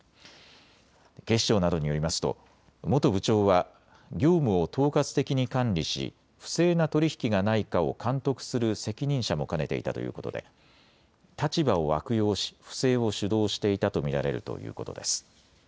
警視庁などによりますと元部長は業務を統括的に管理し不正な取り引きがないかを監督する責任者も兼ねていたということで立場を悪用し不正を主導していたと見られるということです。